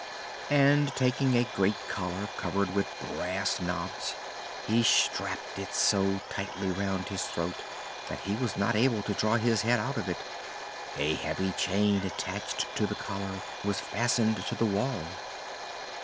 And, taking a great collar covered with brass knobs, he strapped it so tightly round his throat that he was not able to draw his head out of it. A heavy chain attached to the collar was fastened to the wall.